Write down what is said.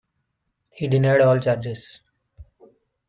He denied all charges.